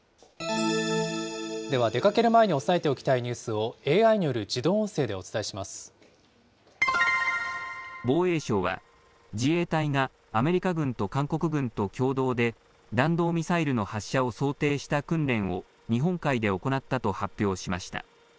では、出かける前に押さえておきたいニュースを、ＡＩによる防衛省は、自衛隊がアメリカ軍と韓国軍と共同で弾道ミサイルの発射を想定した訓練を、日本海で行ったと発表しました。